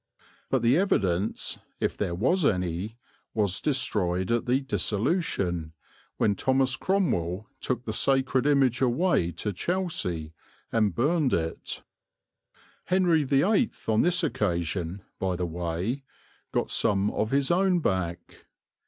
But the evidence, if there was any, was destroyed at the Dissolution, when Thomas Cromwell took the sacred image away to Chelsea, and burned it. Henry VIII on this occasion, by the way, got some of his own back.